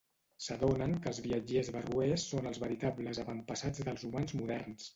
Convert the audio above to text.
S'adonen que els viatgers barroers són els veritables avantpassats dels humans moderns.